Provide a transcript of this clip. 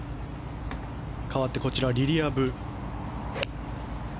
かわってこちらはリリア・ブ。